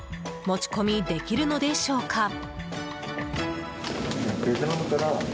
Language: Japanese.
持ち込みできるのでしょうか？